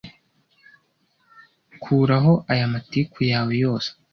kuraho aya matiku yawe yose